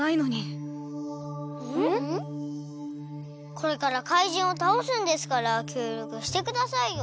これからかいじんをたおすんですからきょうりょくしてくださいよ！